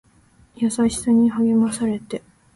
優しさに励まされて